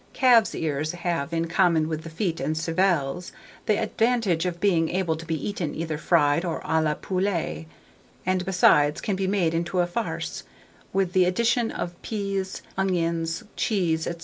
Calf's ears have, in common with the feet and cervelles, the advantage of being able to be eaten either fried or à la poulette; and besides, can be made into a farce, with the addition of peas, onions, cheese, &c.